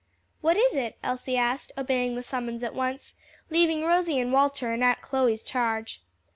"What is it?" Elsie asked, obeying the summons at once, leaving Rosie and Walter in Aunt Chloe's charge.